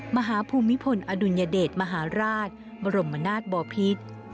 มหาภูมิพลอดุญเด็จมหาราชบรมนาศบอพิษ